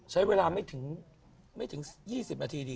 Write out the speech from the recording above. ใช้เวลาไม่ถึง๒๐นาทีดี